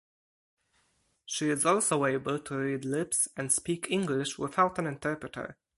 She is also able to read lips and speak English without an interpreter.